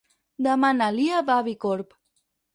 Demà na Lia va a Bicorb.